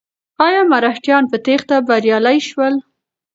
ایا مرهټیان په تېښته بریالي شول؟